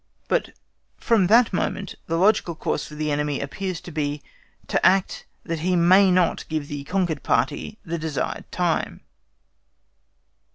But from that moment the logical course for the enemy appears to be to act that he may not give the conquered party THE DESIRED time.